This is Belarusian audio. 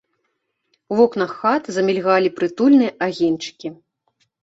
У вокнах хат замільгалі прытульныя агеньчыкі.